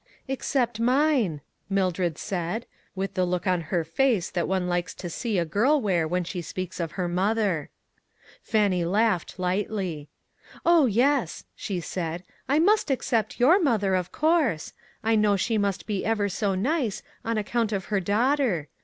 "Except mine," Mildred said, with the look on her face that one likes to see a girl wear when she speaks of her mother. Fannie laughed, lightly. "Oh, yes," she said, "I must except your mother, of course. I know she must be ever so nice, on account of her daughter.